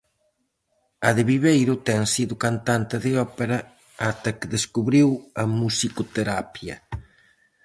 A de Viveiro ten sido cantante de ópera ata que descubriu a musicoterapia.